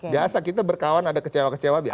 biasa kita berkawan ada kecewa kecewa biasa